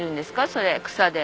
それ草で。